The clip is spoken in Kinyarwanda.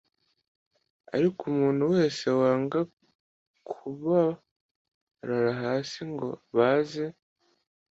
Ariko umuntu wese wanga kubarara hasi ngo baze